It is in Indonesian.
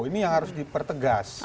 ini yang harus dipertegas